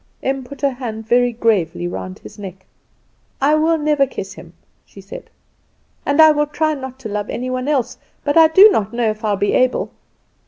Em put her hand very gravely round his neck. "I will never kiss him," she said, "and I will try not to love any one else. But I do not know if I will be able."